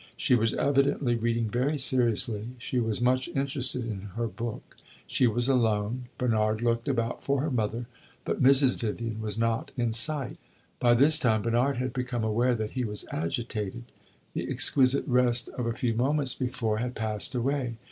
She was evidently reading very seriously; she was much interested in her book. She was alone; Bernard looked about for her mother, but Mrs. Vivian was not in sight. By this time Bernard had become aware that he was agitated; the exquisite rest of a few moments before had passed away.